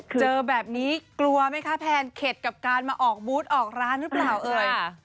เจอแบบนี้กลัวไหมคะแพนเข็ดกับการมาออกบูธออกร้านหรือเปล่าเอ่ย